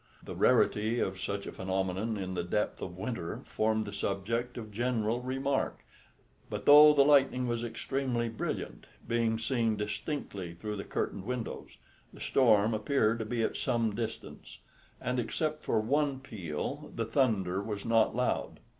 The rarity of such a phenomenon in the depth of winter formed the subject of general remark; but though the lightning was extremely brilliant, being seen distinctly through the curtained windows, the storm appeared to be at some distance, and, except for one peal, the thunder was not loud.